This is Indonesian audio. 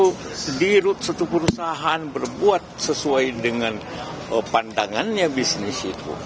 jadi di rut satu perusahaan berbuat sesuai dengan pandangannya bisnis itu